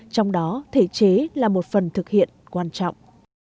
trong đó thể chế là một phần thực hiện quan trọng